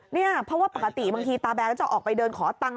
เนี่ยเพราะว่าปกติบางทีตาแบนก็จะออกไปเดินขอตังค์